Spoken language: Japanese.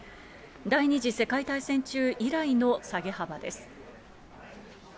第２次世界大戦中以来の下げ幅です。